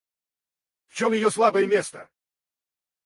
В чем ее слабое место?